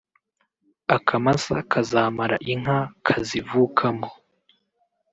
Akamasa kazamara inka kazivukamo